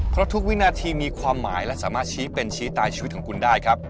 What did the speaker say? เพราะทุกวินาทีมีความหมายและสามารถชี้เป็นชี้ตายชีวิตของคุณได้ครับ